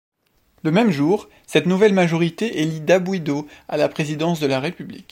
Le même jour, cette nouvelle majorité élit Dabwido à la présidence de la République.